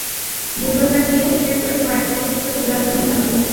Bulldozer দিয়ে ইটের তৈরি কয়েকটি ছোট ছোট দেয়াল ভেঙে দেওয়া হয়।